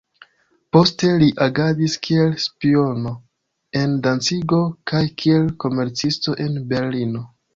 Poste li agadis kiel spiono en Dancigo kaj kiel komercisto en Berlino.